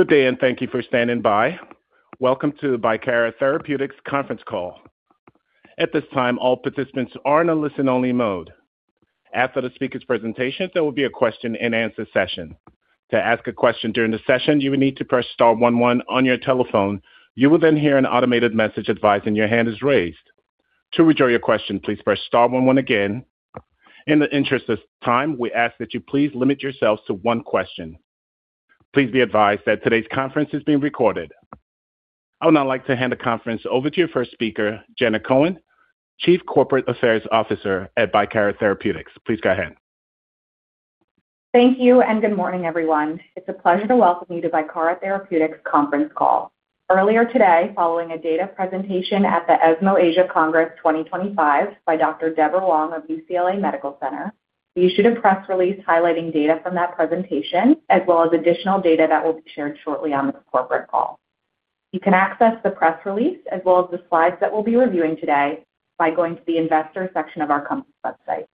Good day, and thank you for standing by. Welcome to the Bicara Therapeutics conference call. At this time, all participants are in a listen-only mode. After the speaker's presentation, there will be a question-and-answer session. To ask a question during the session, you will need to press star 11 on your telephone. You will then hear an automated message advising your hand is raised. To withdraw your question, please press star 11 again. In the interest of time, we ask that you please limit yourself to one question. Please be advised that today's conference is being recorded. I would now like to hand the conference over to your first speaker, Jenna Cohen, Chief Corporate Affairs Officer at Bicara Therapeutics. Please go ahead. Thank you, and good morning, everyone. It's a pleasure to welcome you to Bicara Therapeutics' conference call. Earlier today, following a data presentation at the ESMO Asia Congress 2025 by Dr. Deborah Wong of UCLA Medical Center, we issued a press release highlighting data from that presentation, as well as additional data that will be shared shortly on this corporate call. You can access the press release, as well as the slides that we'll be reviewing today, by going to the investor section of our company's website.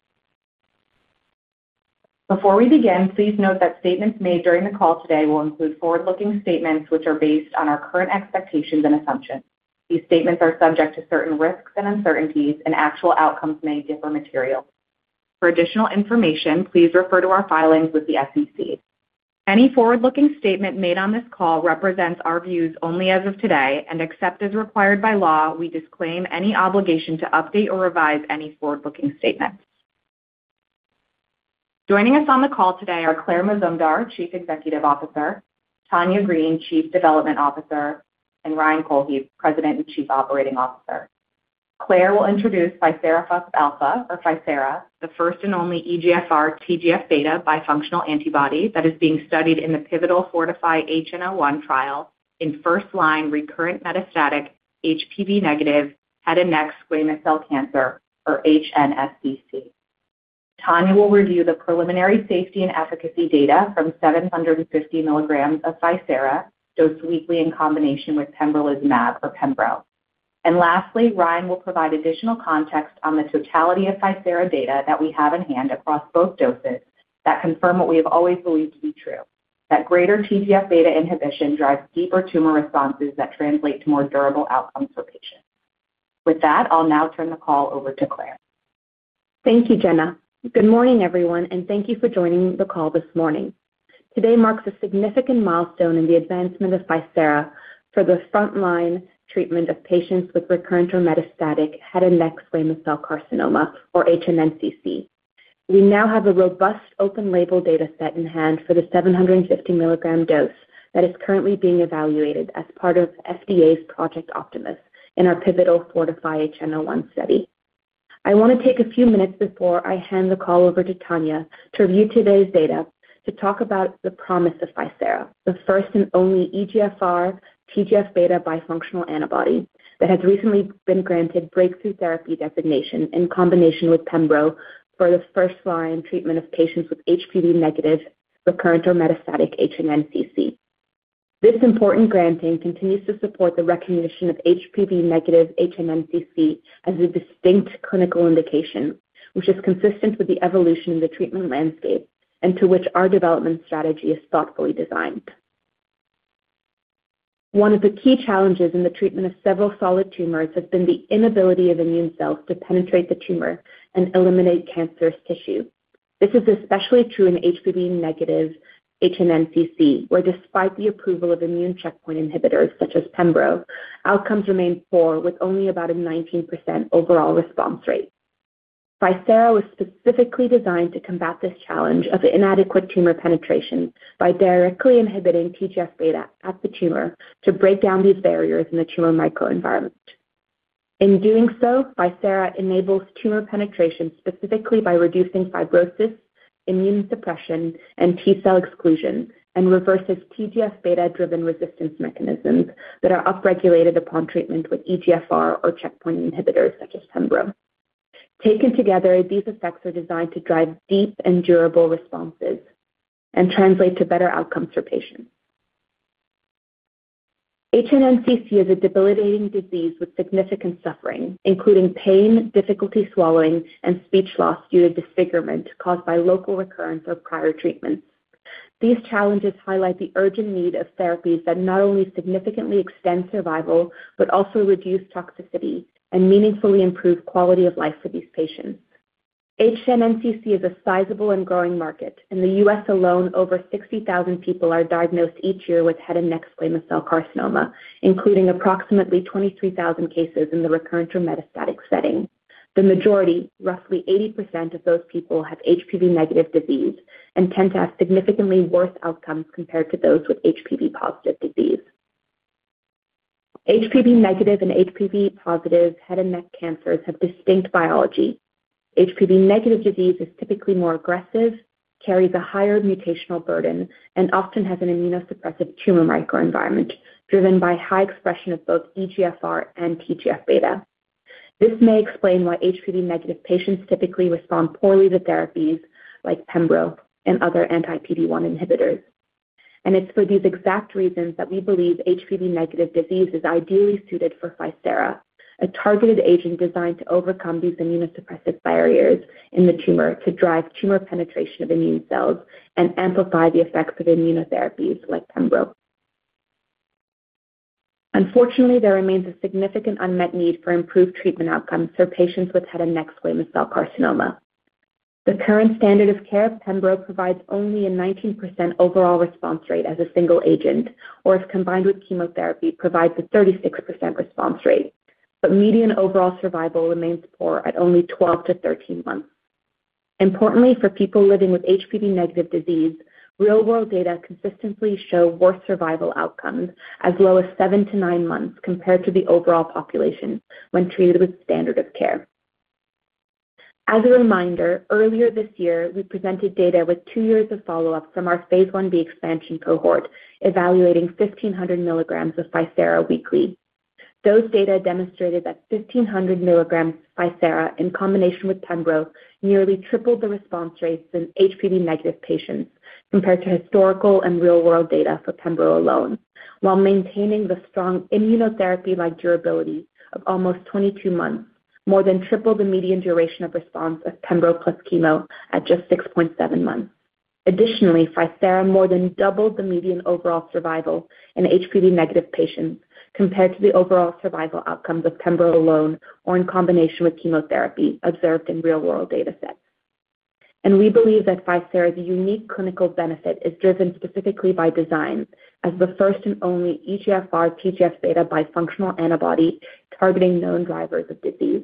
Before we begin, please note that statements made during the call today will include forward-looking statements which are based on our current expectations and assumptions. These statements are subject to certain risks and uncertainties, and actual outcomes may differ materially. For additional information, please refer to our filings with the SEC. Any forward-looking statement made on this call represents our views only as of today, and except as required by law, we disclaim any obligation to update or revise any forward-looking statements. Joining us on the call today are Claire Mazumdar, Chief Executive Officer, Tanya Green, Chief Development Officer, and Ryan Cohlhepp, President and Chief Operating Officer. Claire will introduce ficerafusp alfa, or ficerafusp alfa, the first and only EGFR TGF-beta bifunctional antibody that is being studied in the pivotal FORTIFY-HN01 trial in first-line recurrent metastatic HPV-negative head and neck squamous cell cancer, or HNSCC. Tanya will review the preliminary safety and efficacy data from 750 milligrams of ficerafusp alfa, dosed weekly in combination with pembrolizumab, or Pembro. Lastly, Ryan will provide additional context on the totality of Ficera data that we have in hand across both doses that confirm what we have always believed to be true: that greater TGF-beta inhibition drives deeper tumor responses that translate to more durable outcomes for patients. With that, I'll now turn the call over to Claire. Thank you, Jenna. Good morning, everyone, and thank you for joining the call this morning. Today marks a significant milestone in the advancement of Ficera for the first-line treatment of patients with recurrent or metastatic head and neck squamous cell carcinoma, or HNSCC. We now have a robust open-label data set in hand for the 750 milligram dose that is currently being evaluated as part of FDA's Project Optimus in our pivotal FORTIFY-HN01 study. I want to take a few minutes before I hand the call over to Tanya to review today's data to talk about the promise of Ficera, the first and only EGFR TGF-beta bifunctional antibody that has recently been granted breakthrough therapy designation in combination with Pembro for the first-line treatment of patients with HPV-negative recurrent or metastatic HNSCC. This important granting continues to support the recognition of HPV-negative HNSCC as a distinct clinical indication, which is consistent with the evolution of the treatment landscape and to which our development strategy is thoughtfully designed. One of the key challenges in the treatment of several solid tumors has been the inability of immune cells to penetrate the tumor and eliminate cancerous tissue. This is especially true in HPV-negative HNSCC, where, despite the approval of immune checkpoint inhibitors such as Pembro, outcomes remain poor, with only about a 19% overall response rate. Ficerafusp alfa was specifically designed to combat this challenge of inadequate tumor penetration by directly inhibiting TGF-beta at the tumor to break down these barriers in the tumor microenvironment. In doing so, Ficera enables tumor penetration specifically by reducing fibrosis, immune suppression, and T-cell exclusion, and reverses TGF-beta-driven resistance mechanisms that are upregulated upon treatment with EGFR or checkpoint inhibitors such as Pembro. Taken together, these effects are designed to drive deep and durable responses and translate to better outcomes for patients. HNSCC is a debilitating disease with significant suffering, including pain, difficulty swallowing, and speech loss due to disfigurement caused by local recurrence or prior treatments. These challenges highlight the urgent need of therapies that not only significantly extend survival but also reduce toxicity and meaningfully improve quality of life for these patients. HNSCC is a sizable and growing market. In the U.S. alone, over 60,000 people are diagnosed each year with head and neck squamous cell carcinoma, including approximately 23,000 cases in the recurrent or metastatic setting. The majority, roughly 80% of those people, have HPV-negative disease and tend to have significantly worse outcomes compared to those with HPV-positive disease. HPV-negative and HPV-positive head and neck cancers have distinct biology. HPV-negative disease is typically more aggressive, carries a higher mutational burden, and often has an immunosuppressive tumor microenvironment driven by high expression of both EGFR and TGF-beta. This may explain why HPV-negative patients typically respond poorly to therapies like Pembro and other anti-PD-1 inhibitors, and it's for these exact reasons that we believe HPV-negative disease is ideally suited for Ficera, a targeted agent designed to overcome these immunosuppressive barriers in the tumor to drive tumor penetration of immune cells and amplify the effects of immunotherapies like Pembro. Unfortunately, there remains a significant unmet need for improved treatment outcomes for patients with head and neck squamous cell carcinoma. The current standard of care, Pembro, provides only a 19% overall response rate as a single agent, or if combined with chemotherapy, provides a 36% response rate, but median overall survival remains poor at only 12-13 months. Importantly, for people living with HPV-negative disease, real-world data consistently show worse survival outcomes as low as 7-9 months compared to the overall population when treated with standard of care. As a reminder, earlier this year, we presented data with two years of follow-up from our Phase 1b expansion cohort evaluating 1,500 milligrams of Ficera weekly. Those data demonstrated that 1,500 milligrams of Ficera in combination with Pembro nearly tripled the response rates in HPV-negative patients compared to historical and real-world data for Pembro alone. While maintaining the strong immunotherapy-like durability of almost 22 months, more than tripled the median duration of response of Pembro plus chemo at just 6.7 months. Additionally, Ficera more than doubled the median overall survival in HPV-negative patients compared to the overall survival outcomes of Pembro alone or in combination with chemotherapy observed in real-world data sets. And we believe that Ficera's unique clinical benefit is driven specifically by design as the first and only EGFR TGF-beta bifunctional antibody targeting known drivers of disease.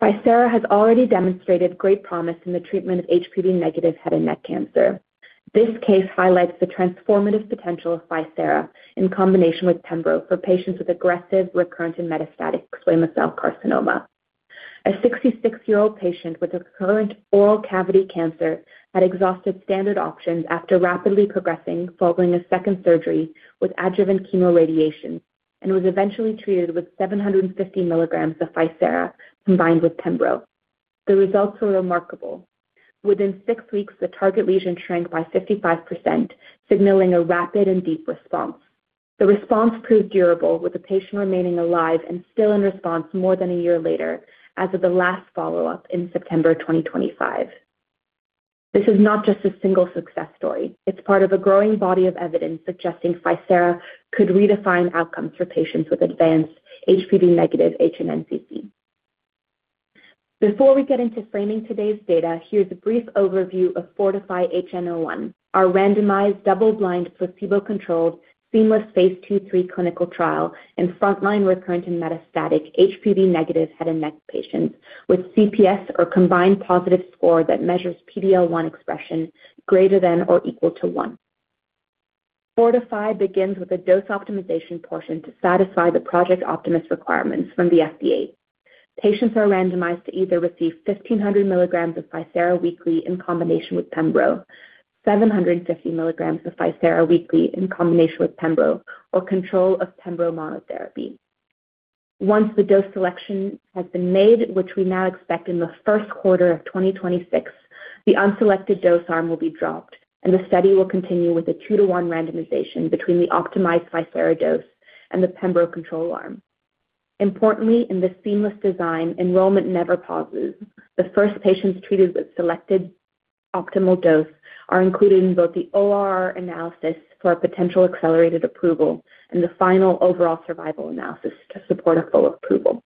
Ficera has already demonstrated great promise in the treatment of HPV-negative head and neck cancer. This case highlights the transformative potential of Ficera in combination with Pembro for patients with aggressive recurrent and metastatic squamous cell carcinoma. A 66-year-old patient with recurrent oral cavity cancer had exhausted standard options after rapidly progressing following a second surgery with adjuvant chemoradiation and was eventually treated with 750 milligrams of ficerafusp alfa combined with Pembro. The results were remarkable. Within six weeks, the target lesion shrank by 55%, signaling a rapid and deep response. The response proved durable, with the patient remaining alive and still in response more than a year later as of the last follow-up in September 2025. This is not just a single success story. It's part of a growing body of evidence suggesting ficerafusp alfa could redefine outcomes for patients with advanced HPV-negative HNSCC. Before we get into framing today's data, here's a brief overview of FORTIFY-HN01, our randomized double-blind placebo-controlled seamless Phase 2/3 clinical trial in front-line recurrent and metastatic HPV-negative head and neck patients with CPS, or combined positive score, that measures PD-L1 expression greater than or equal to 1. FORTIFY-HN01 begins with a dose optimization portion to satisfy the Project Optimus requirements from the FDA. Patients are randomized to either receive 1,500 mg of ficerafusp alfa weekly in combination with Pembro, 750 mg of ficerafusp alfa weekly in combination with Pembro, or control of Pembro monotherapy. Once the dose selection has been made, which we now expect in the Q1 of 2026, the unselected dose arm will be dropped, and the study will continue with a 2:1 randomization between the optimized ficerafusp alfa dose and the Pembro control arm. Importantly, in this seamless design, enrollment never pauses. The first patients treated with selected optimal dose are included in both the ORR analysis for a potential accelerated approval and the final overall survival analysis to support a full approval.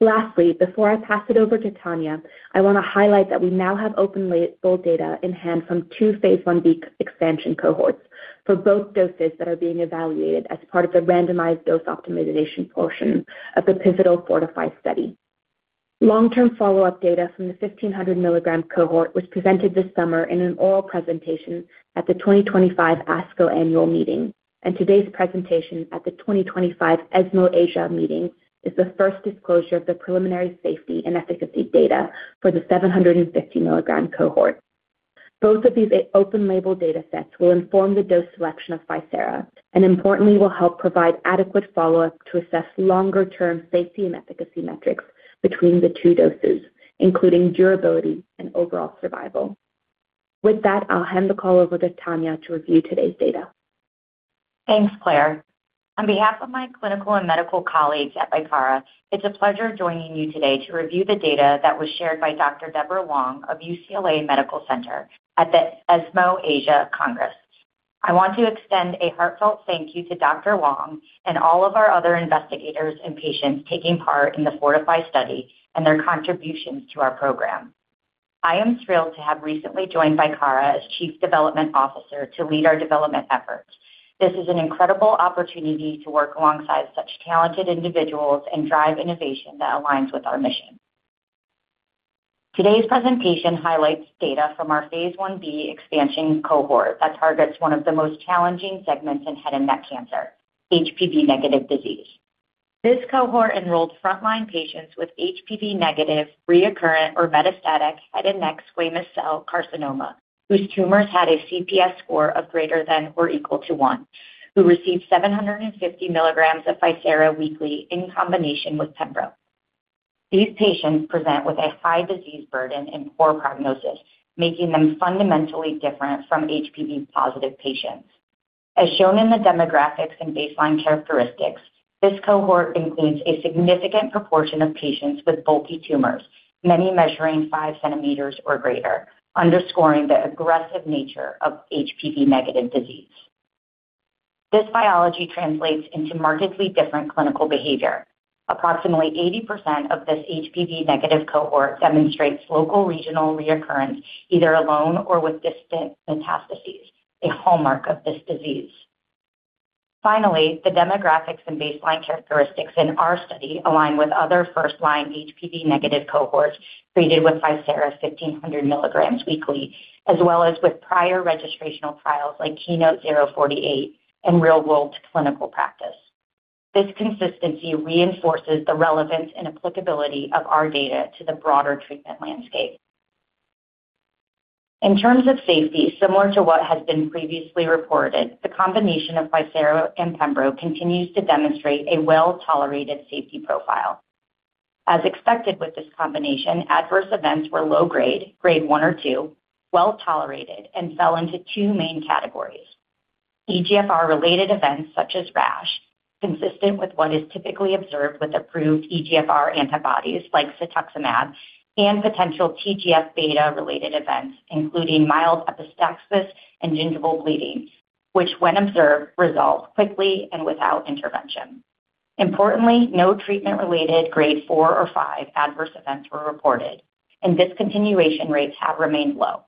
Lastly, before I pass it over to Tanya, I want to highlight that we now have open-label data in hand from two Phase 1b expansion cohorts for both doses that are being evaluated as part of the randomized dose optimization portion of the pivotal Fortify study. Long-term follow-up data from the 1,500 milligram cohort was presented this summer in an oral presentation at the 2025 ASCO Annual Meeting, and today's presentation at the 2025 ESMO Asia Meeting is the first disclosure of the preliminary safety and efficacy data for the 750 milligram cohort. Both of these open-label data sets will inform the dose selection of Ficera and, importantly, will help provide adequate follow-up to assess longer-term safety and efficacy metrics between the two doses, including durability and overall survival. With that, I'll hand the call over to Tanya to review today's data. Thanks, Claire. On behalf of my clinical and medical colleagues at Bicara, it's a pleasure joining you today to review the data that was shared by Dr. Deborah Wong of UCLA Medical Center at the ESMO Asia Congress. I want to extend a heartfelt thank you to Dr. Wong and all of our other investigators and patients taking part in the Fortify study and their contributions to our program. I am thrilled to have recently joined Bicara as Chief Development Officer to lead our development efforts. This is an incredible opportunity to work alongside such talented individuals and drive innovation that aligns with our mission. Today's presentation highlights data from our Phase 1b expansion cohort that targets one of the most challenging segments in head and neck cancer, HPV-negative disease. This cohort enrolled front-line patients with HPV-negative, recurrent, or metastatic head and neck squamous cell carcinoma whose tumors had a CPS score of greater than or equal to one, who received 750 milligrams of Ficera weekly in combination with Pembro. These patients present with a high disease burden and poor prognosis, making them fundamentally different from HPV-positive patients. As shown in the demographics and baseline characteristics, this cohort includes a significant proportion of patients with bulky tumors, many measuring five centimeters or greater, underscoring the aggressive nature of HPV-negative disease. This biology translates into markedly different clinical behavior. Approximately 80% of this HPV-negative cohort demonstrates locoregional recurrence either alone or with distant metastases, a hallmark of this disease. Finally, the demographics and baseline characteristics in our study align with other first-line HPV-negative cohorts treated with Ficera 1,500 milligrams weekly, as well as with prior registrational trials like KEYNOTE-048 and real-world clinical practice. This consistency reinforces the relevance and applicability of our data to the broader treatment landscape. In terms of safety, similar to what has been previously reported, the combination of Ficera and Pembro continues to demonstrate a well-tolerated safety profile. As expected with this combination, adverse events were low grade, grade 1 or 2, well-tolerated, and fell into two main categories: EGFR-related events such as rash, consistent with what is typically observed with approved EGFR antibodies like cetuximab, and potential TGF-beta-related events, including mild epistaxis and gingival bleeding, which, when observed, resolved quickly and without intervention. Importantly, no treatment-related grade 4 or 5 adverse events were reported, and discontinuation rates have remained low.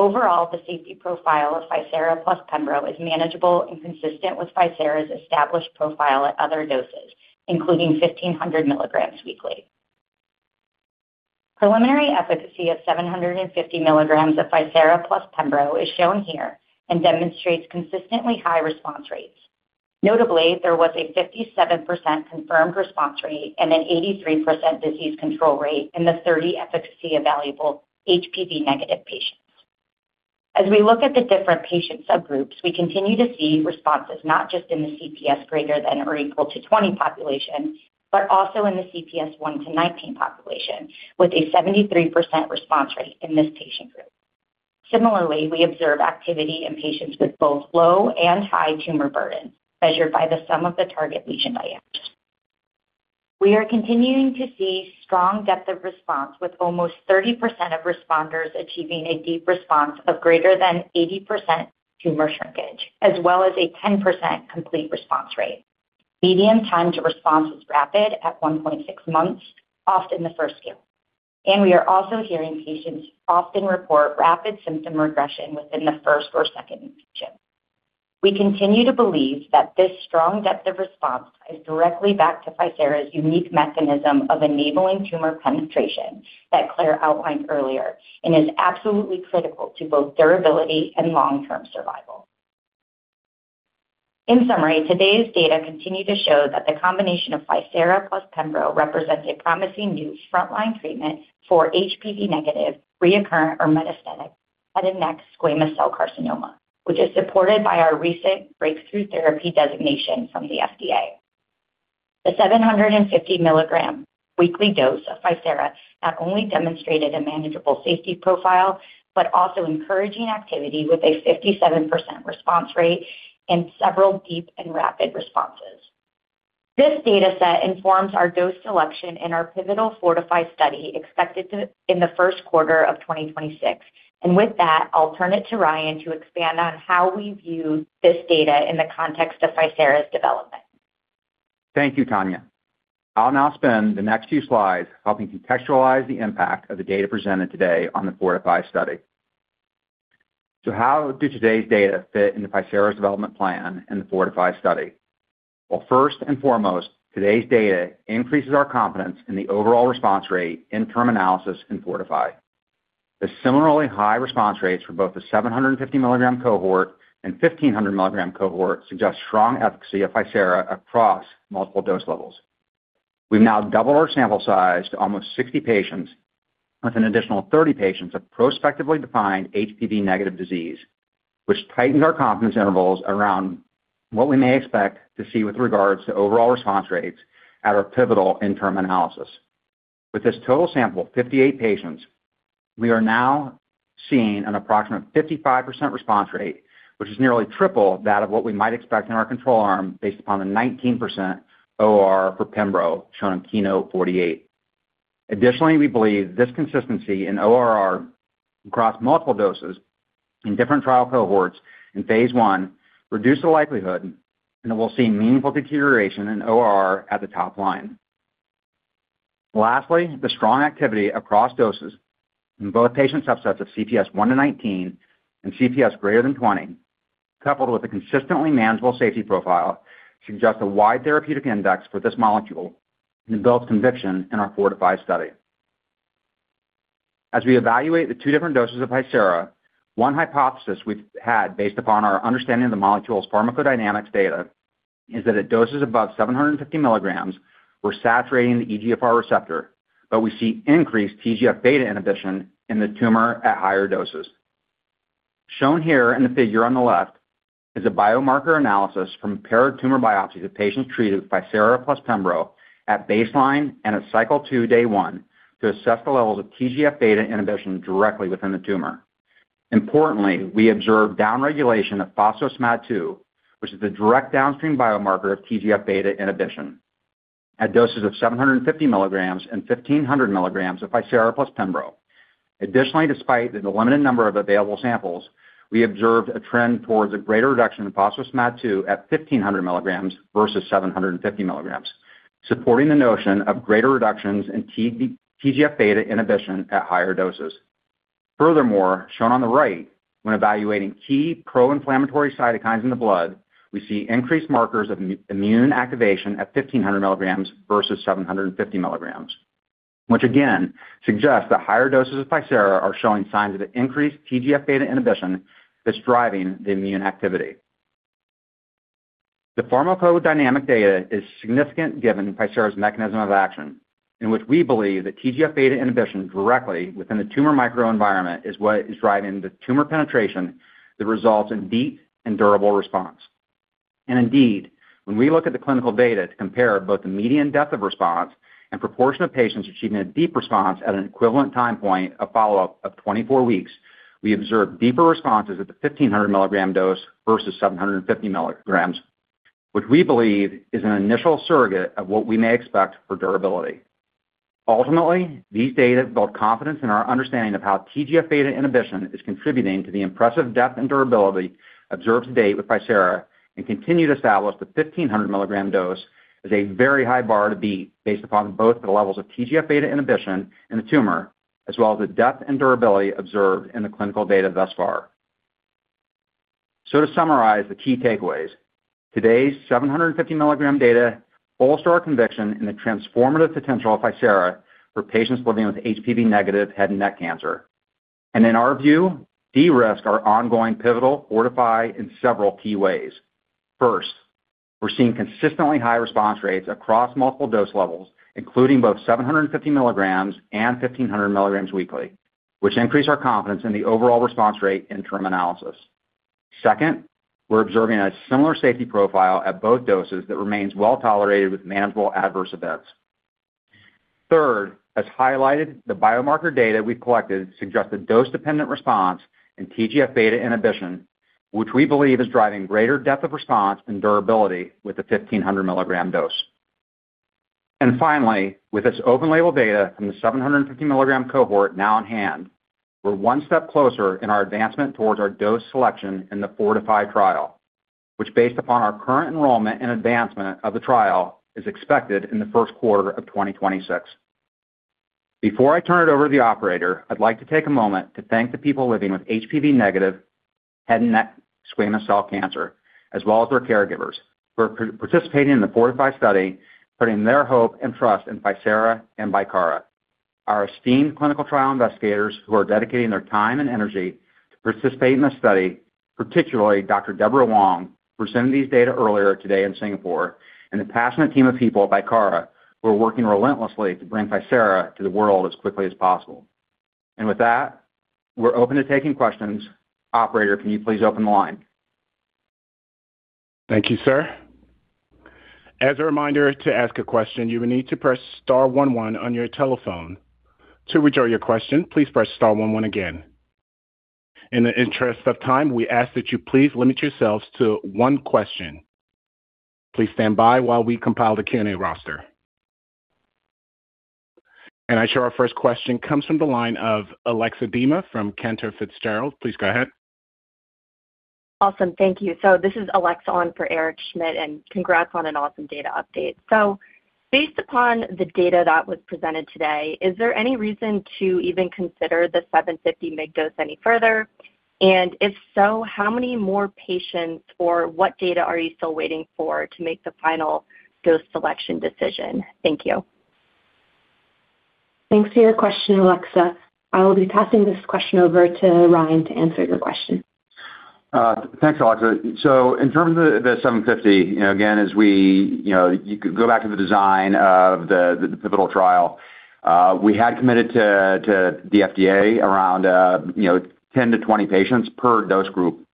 Overall, the safety profile of Ficera plus Pembro is manageable and consistent with Ficera's established profile at other doses, including 1,500 milligrams weekly. Preliminary efficacy of 750 milligrams of Ficera plus Pembro is shown here and demonstrates consistently high response rates. Notably, there was a 57% confirmed response rate and an 83% disease control rate in the 30 efficacy evaluable HPV-negative patients. As we look at the different patient subgroups, we continue to see responses not just in the CPS greater than or equal to 20 population, but also in the CPS 1 to 19 population with a 73% response rate in this patient group. Similarly, we observe activity in patients with both low and high tumor burden measured by the sum of the target lesion diameters. We are continuing to see strong depth of response, with almost 30% of responders achieving a deep response of greater than 80% tumor shrinkage, as well as a 10% complete response rate. Median time to response is rapid at 1.6 months, often the first year and we are also hearing patients often report rapid symptom regression within the first or second year. We continue to believe that this strong depth of response ties directly back to Ficera's unique mechanism of enabling tumor penetration that Claire outlined earlier and is absolutely critical to both durability and long-term survival. In summary, today's data continue to show that the combination of Ficera plus Pembro represents a promising new front-line treatment for HPV-negative, recurrent, or metastatic head and neck squamous cell carcinoma, which is supported by our recent Breakthrough Therapy Designation from the FDA. The 750-milligram weekly dose of Ficera not only demonstrated a manageable safety profile, but also encouraging activity with a 57% response rate and several deep and rapid responses. This data set informs our dose selection in our pivotal Fortify study expected in the Q1 of 2026, and with that, I'll turn it to Ryan to expand on how we view this data in the context of Ficera's development. Thank you, Tanya. I'll now spend the next few slides helping contextualize the impact of the data presented today on the Fortify study. So how do today's data fit into Ficera's development plan and the Fortify study? Well, first and foremost, today's data increases our confidence in the overall response rate interim analysis in Fortify. The similarly high response rates for both the 750 milligram cohort and 1,500 milligram cohort suggest strong efficacy of Ficera across multiple dose levels. We've now doubled our sample size to almost 60 patients with an additional 30 patients of prospectively defined HPV-negative disease, which tightens our confidence intervals around what we may expect to see with regards to overall response rates at our pivotal interim analysis. With this total sample of 58 patients, we are now seeing an approximate 55% response rate, which is nearly triple that of what we might expect in our control arm based upon the 19% ORR for Pembro shown in KEYNOTE-048. Additionally, we believe this consistency in ORR across multiple doses in different trial cohorts in phase one reduces the likelihood that we'll see meaningful deterioration in ORR at the top line. Lastly, the strong activity across doses in both patient subsets of CPS 1 to 19 and CPS greater than 20, coupled with a consistently manageable safety profile, suggests a wide therapeutic index for this molecule and builds conviction in our FORTIFY study. As we evaluate the two different doses of Ficera, one hypothesis we've had based upon our understanding of the molecule's pharmacodynamics data is that at doses above 750 milligrams, we're saturating the EGFR receptor, but we see increased TGF-beta inhibition in the tumor at higher doses. Shown here in the figure on the left is a biomarker analysis from paired tumor biopsies of patients treated with Ficera plus Pembro at baseline and at cycle 2, day 1, to assess the levels of TGF-beta inhibition directly within the tumor. Importantly, we observed downregulation of phospho-SMAD2, which is the direct downstream biomarker of TGF-beta inhibition, at doses of 750 milligrams and 1,500 milligrams of Ficera plus Pembro. Additionally, despite the limited number of available samples, we observed a trend towards a greater reduction in phospho-SMAD2 at 1,500 milligrams versus 750 milligrams, supporting the notion of greater reductions in TGF-beta inhibition at higher doses. Furthermore, shown on the right, when evaluating key pro-inflammatory cytokines in the blood, we see increased markers of immune activation at 1,500 milligrams versus 750 milligrams, which again suggests that higher doses of Ficera are showing signs of an increased TGF-beta inhibition that's driving the immune activity. The pharmacodynamic data is significant given Ficera's mechanism of action, in which we believe that TGF-beta inhibition directly within the tumor microenvironment is what is driving the tumor penetration that results in deep and durable response. Indeed, when we look at the clinical data to compare both the median depth of response and proportion of patients achieving a deep response at an equivalent time point of follow-up of 24 weeks, we observe deeper responses at the 1,500 milligram dose versus 750 milligrams, which we believe is an initial surrogate of what we may expect for durability. Ultimately, these data build confidence in our understanding of how TGF beta inhibition is contributing to the impressive depth and durability observed to date with Ficera and continue to establish the 1,500 milligram dose as a very high bar to beat based upon both the levels of TGF beta inhibition in the tumor, as well as the depth and durability observed in the clinical data thus far. To summarize the key takeaways, today's 750 milligram data bolster our conviction in the transformative potential of Ficera for patients living with HPV-negative head and neck cancer. In our view, de-risk our ongoing pivotal FORTIFY in several key ways. First, we're seeing consistently high response rates across multiple dose levels, including both 750 milligrams and 1,500 milligrams weekly, which increase our confidence in the overall response rate interim analysis. Second, we're observing a similar safety profile at both doses that remains well-tolerated with manageable adverse events. Third, as highlighted, the biomarker data we've collected suggests a dose-dependent response in TGF-beta inhibition, which we believe is driving greater depth of response and durability with the 1,500 milligram dose. Finally, with this open-label data from the 750 milligram cohort now in hand, we're one step closer in our advancement towards our dose selection in the Fortify trial, which, based upon our current enrollment and advancement of the trial, is expected in the Q1 of 2026. Before I turn it over to the operator, I'd like to take a moment to thank the people living with HPV-negative head and neck squamous cell cancer, as well as their caregivers, who are participating in the Fortify study, putting their hope and trust in Ficera and Bicara, our esteemed clinical trial investigators who are dedicating their time and energy to participate in this study, particularly Dr. Deborah Wong, who presented these data earlier today in Singapore, and the passionate team of people at Bicara, who are working relentlessly to bring Ficera to the world as quickly as possible. With that, we're open to taking questions. Operator, can you please open the line? Thank you, sir. As a reminder to ask a question, you will need to press star 11 on your telephone. To withdraw your question, please press star 11 again. In the interest of time, we ask that you please limit yourselves to one question. Please stand by while we compile the Q&A roster. And I show our first question comes from the line of Alexa Deemer from Cantor Fitzgerald. Please go ahead. Awesome. Thank you. So this is Alexa on for Eric Schmidt, and congrats on an awesome data update. So based upon the data that was presented today, is there any reason to even consider the 750 mg dose any further? And if so, how many more patients or what data are you still waiting for to make the final dose selection decision? Thank you. Thanks for your question, Alexa. I will be passing this question over to Ryan to answer your question. Thanks, Alexa. So in terms of the 750, again, as we go back to the design of the pivotal trial, we had committed to the FDA around 10 to 20 patients per dose group.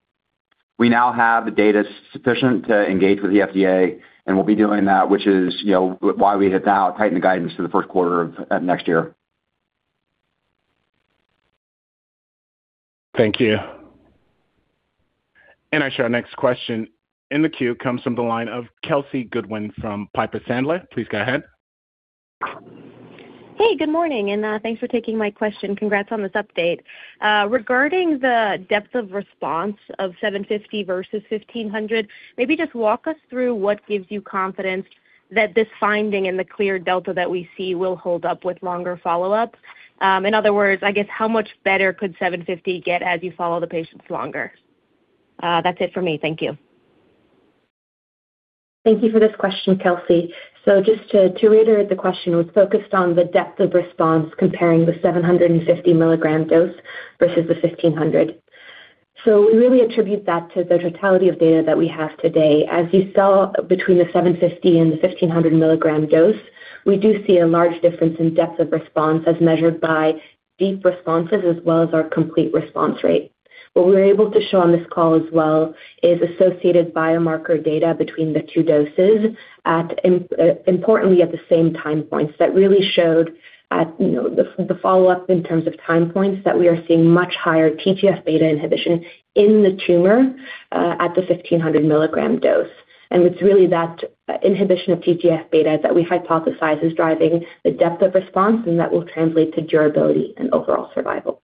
We now have the data sufficient to engage with the FDA, and we'll be doing that, which is why we have now tightened the guidance to the Q1 of next year. Thank you. And now our next question in the queue comes from the line of Kelsey Goodwin from Piper Sandler. Please go ahead. Hey, good morning, and thanks for taking my question. Congrats on this update. Regarding the depth of response of 750 versus 1,500, maybe just walk us through what gives you confidence that this finding and the clear delta that we see will hold up with longer follow-up? In other words, I guess, how much better could 750 get as you follow the patients longer? That's it for me. Thank you. Thank you for this question, Kelsey. So just to reiterate the question, it was focused on the depth of response comparing the 750 milligram dose versus the 1,500. So we really attribute that to the totality of data that we have today. As you saw between the 750 and the 1,500 milligram dose, we do see a large difference in depth of response as measured by deep responses as well as our complete response rate. What we were able to show on this call as well is associated biomarker data between the two doses, importantly at the same time points, that really showed the follow-up in terms of time points that we are seeing much higher TGF-beta inhibition in the tumor at the 1,500 milligram dose. It's really that inhibition of TGF-beta that we hypothesize is driving the depth of response and that will translate to durability and overall survival.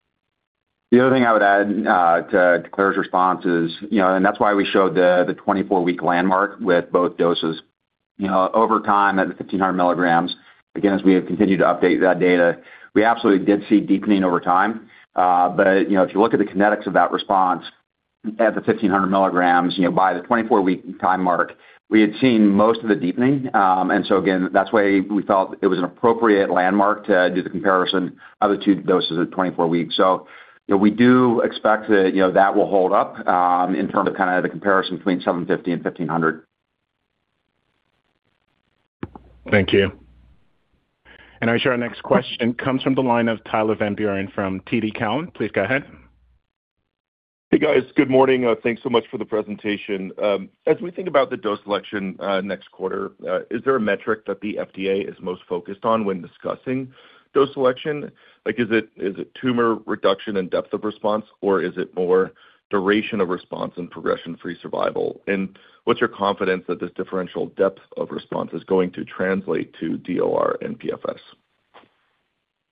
The other thing I would add to Claire's response is, and that's why we showed the 24-week landmark with both doses. Over time at the 1,500 milligrams, again, as we have continued to update that data, we absolutely did see deepening over time. But if you look at the kinetics of that response at the 1,500 milligrams, by the 24-week time mark, we had seen most of the deepening. And so again, that's why we felt it was an appropriate landmark to do the comparison of the two doses at 24 weeks. So we do expect that that will hold up in terms of kind of the comparison between 750 and 1,500. Thank you. And now our next question comes from the line of Tyler Van Buren from TD Cowen. Please go ahead. Hey, guys. Good morning. Thanks so much for the presentation. As we think about the dose selection next quarter, is there a metric that the FDA is most focused on when discussing dose selection? Is it tumor reduction and depth of response, or is it more duration of response and progression-free survival? And what's your confidence that this differential depth of response is going to translate to DOR and PFS?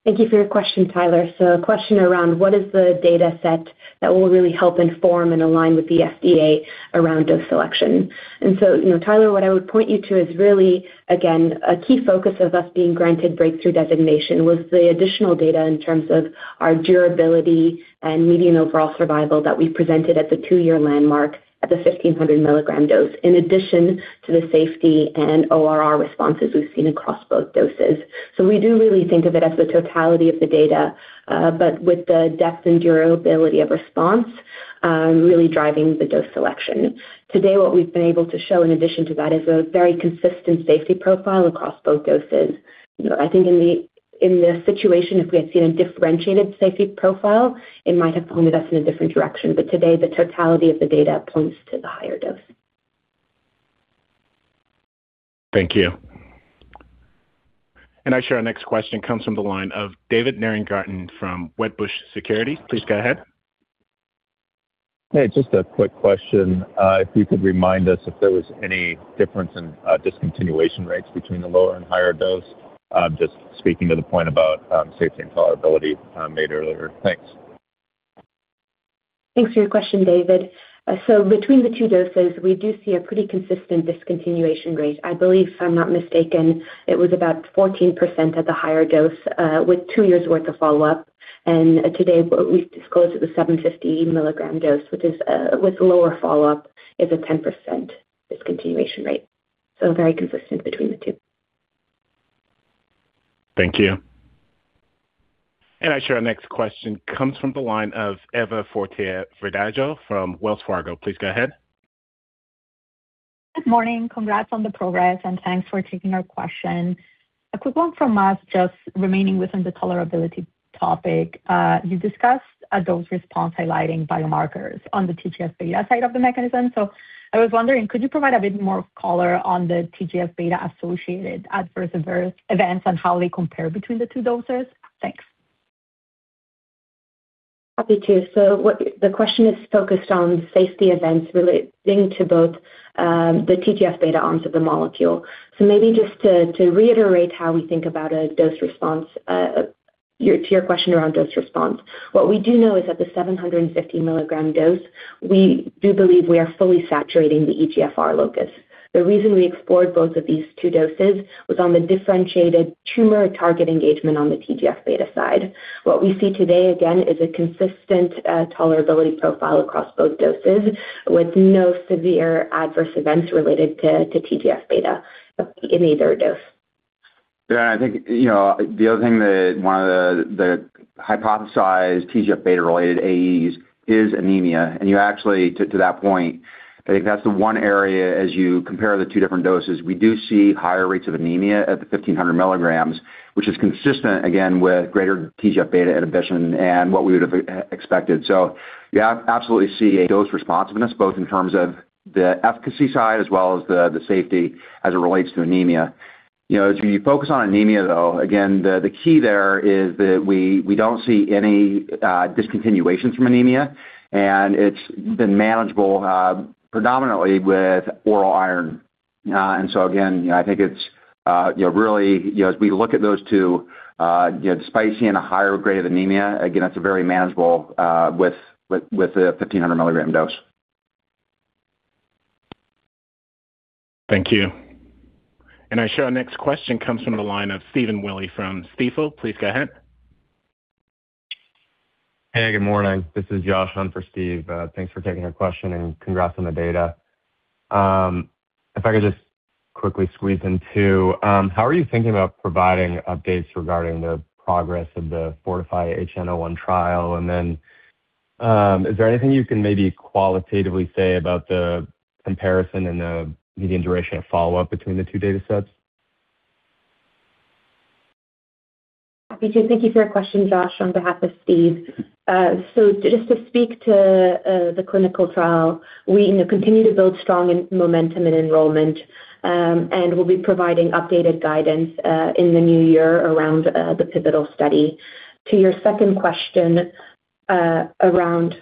Thank you for your question, Tyler. So a question around what is the data set that will really help inform and align with the FDA around dose selection? And so, Tyler, what I would point you to is really, again, a key focus of us being granted breakthrough designation was the additional data in terms of our durability and median overall survival that we presented at the two-year landmark at the 1,500 milligram dose, in addition to the safety and ORR responses we've seen across both doses. So we do really think of it as the totality of the data, but with the depth and durability of response really driving the dose selection. Today, what we've been able to show in addition to that is a very consistent safety profile across both doses. I think in this situation, if we had seen a differentiated safety profile, it might have pointed us in a different direction. But today, the totality of the data points to the higher dose. Thank you. And our next question comes from the line of David Nierengarten from Wedbush Securities. Please go ahead. Hey, just a quick question. If you could remind us if there was any difference in discontinuation rates between the lower and higher dose, just speaking to the point about safety and tolerability made earlier? Thanks. Thanks for your question, David, so between the two doses, we do see a pretty consistent discontinuation rate. I believe, if I'm not mistaken, it was about 14% at the higher dose with two years' worth of follow-up, and today, we disclosed it was 750 milligram dose, which is with lower follow-up is a 10% discontinuation rate, so very consistent between the two. Thank you. And I show our next question comes from the line of Eva Privitera from Wells Fargo. Please go ahead. Good morning. Congrats on the progress, and thanks for taking our question. A quick one from us, just remaining within the tolerability topic. You discussed a dose response highlighting biomarkers on the TGF-beta side of the mechanism. So I was wondering, could you provide a bit more color on the TGF-beta-associated adverse events and how they compare between the two doses? Thanks. Happy to. So the question is focused on safety events relating to both the TGF-beta arms of the molecule. So maybe just to reiterate how we think about a dose response to your question around dose response, what we do know is at the 750-milligram dose, we do believe we are fully saturating the EGFR locus. The reason we explored both of these two doses was on the differentiated tumor target engagement on the TGF-beta side. What we see today, again, is a consistent tolerability profile across both doses with no severe adverse events related to TGF-beta in either dose. Yeah. I think the other thing that one of the hypothesized TGF-beta-related AEs is anemia. And actually, to that point, I think that's the one area, as you compare the two different doses, we do see higher rates of anemia at the 1,500 milligrams, which is consistent, again, with greater TGF-beta inhibition and what we would have expected. So you absolutely see a dose responsiveness, both in terms of the efficacy side as well as the safety as it relates to anemia. As we focus on anemia, though, again, the key there is that we don't see any discontinuations from anemia, and it's been manageable predominantly with oral iron. And so again, I think it's really, as we look at those two, despite seeing a higher grade of anemia, again, it's very manageable with the 1,500 milligram dose. Thank you. Our next question comes from the line of Stephen Willey from Stifel. Please go ahead. Hey, good morning. This is Josh on for Steve. Thanks for taking our question, and congrats on the data. If I could just quickly squeeze in two, how are you thinking about providing updates regarding the progress of the FORTIFY-HN01 trial? And then is there anything you can maybe qualitatively say about the comparison and the median duration of follow-up between the two data sets? Happy to. Thank you for your question, Josh, on behalf of Steve. So just to speak to the clinical trial, we continue to build strong momentum in enrollment, and we'll be providing updated guidance in the new year around the pivotal study. To your second question around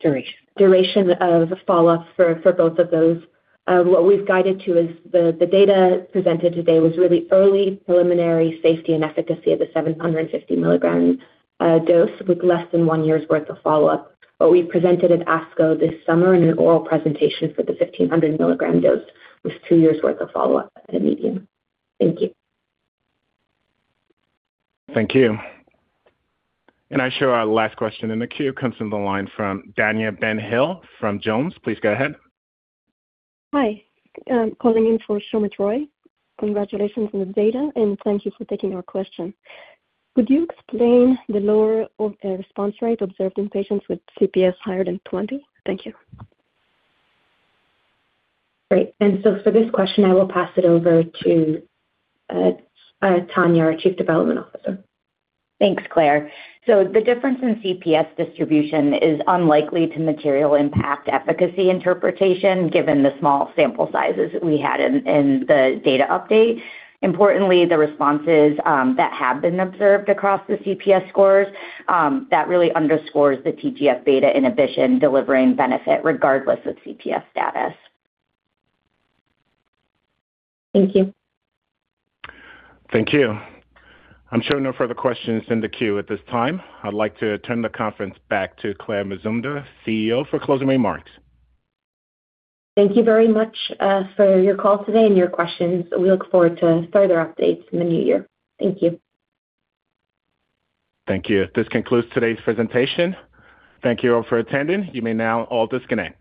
duration of follow-up for both of those, what we've guided to is the data presented today was really early preliminary safety and efficacy of the 750 milligram dose with less than one year's worth of follow-up. What we presented at ASCO this summer in an oral presentation for the 1,500 milligram dose was two years' worth of follow-up at a median. Thank you. Thank you. And I show our last question in the queue comes from the line from Dania Bilkadi from Jones. Please go ahead. Hi. I'm calling in for Sean Kim. Congratulations on the data, and thank you for taking our question. Could you explain the lower response rate observed in patients with CPS higher than 20? Thank you. Great. And so for this question, I will pass it over to Tanya, our Chief Development Officer. Thanks, Claire. So the difference in CPS distribution is unlikely to material impact efficacy interpretation given the small sample sizes that we had in the data update. Importantly, the responses that have been observed across the CPS scores, that really underscores the TGF beta inhibition delivering benefit regardless of CPS status. Thank you. Thank you. I'm showing no further questions in the queue at this time. I'd like to turn the conference back to Claire Mazumdar, CEO, for closing remarks. Thank you very much for your call today and your questions. We look forward to further updates in the new year. Thank you. Thank you. This concludes today's presentation. Thank you all for attending. You may now all disconnect.